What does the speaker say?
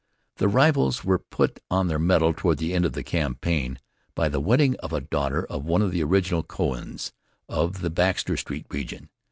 The rivals were put on their mettle toward the end of the campaign by the wedding of a daughter of one of the original Cohens of the Baxter Street region.